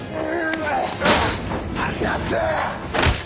離せ！